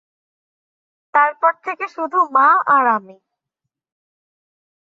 তারপর থেকে, শুধু মা আর আমি।